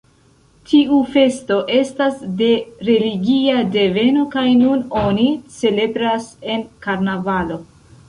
Tiu festo estas de religia deveno kaj nun oni celebras en karnavalo.